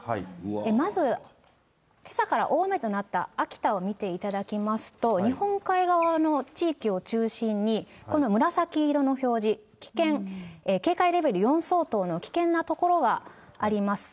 まずけさから大雨となった秋田を見ていただきますと、日本海側の地域を中心に、この紫色の表示、危険、警戒レベル４相当の危険な所はあります。